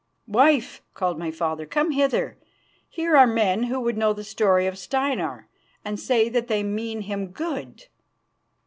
"Wife," called my father, "come hither. Here are men who would know the story of Steinar, and say that they mean him good."